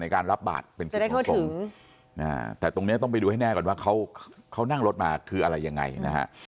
การรับบาทเป็นการส่งแต่ตรงนี้ต้องไปดูให้แน่ก่อนว่าเขานั่งรถมาคืออะไรยังไงนะฮะ